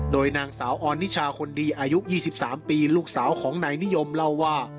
โดยนางสาวออนิชาคนดีอายุ๒๓ปีลูกสาวของนายนิยมเล่าว่า